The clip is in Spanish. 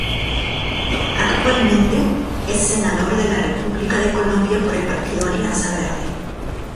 Actualmente, es Senador de la República de Colombia por el Partido Alianza Verde.